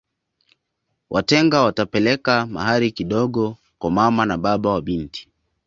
Watenga watapeleka mahari kidogo kwa mama na baba wa binti